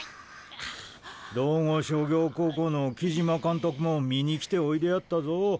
道後商業高校の木島監督も見に来ておいでやったぞ。